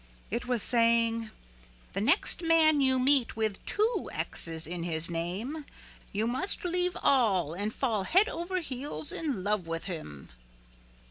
It was saying, "The next man you meet with two X's in his name you must leave all and fall head over heels in love with him."